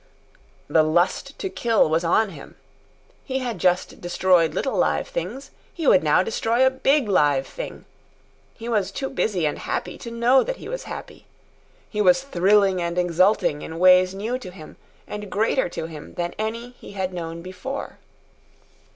The lust to kill was on him. He had just destroyed little live things. He would now destroy a big live thing. He was too busy and happy to know that he was happy. He was thrilling and exulting in ways new to him and greater to him than any he had known before.